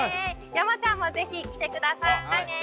山ちゃんもぜひ来てくださいね